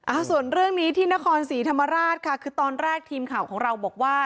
อ่าส่วนเรื่องนี้ที่นครศรีธรรมราชค่ะคือตอนแรกทีมข่าวของเราบอกว่า